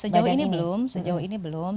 sejauh ini belum sejauh ini belum